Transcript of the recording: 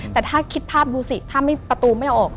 แต่ถ้าคิดภาพดูสิถ้าประตูไม่ออก